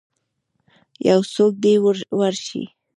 یوڅوک دی ورشئ